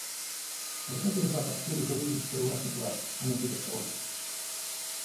Але гэтыя два паспелі ўжо выявіць свой уласны твар, а не адбітак кагосьці.